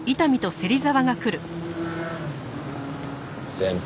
先輩。